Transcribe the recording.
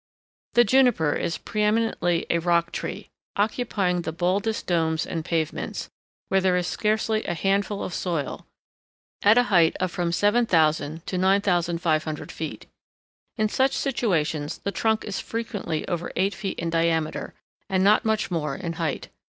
] The Juniper is preëminently a rock tree, occupying the baldest domes and pavements, where there is scarcely a handful of soil, at a height of from 7000 to 9500 feet. In such situations the trunk is frequently over eight feet in diameter, and not much more in height.